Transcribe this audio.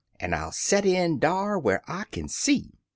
An' I'll set in dar whar 1 kin see."